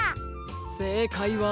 せいかいは。